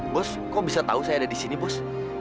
bos kok bisa tau saya ada disini bos